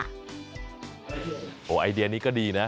โหเฮ้ยไอเดียนี้ก็ดีนะ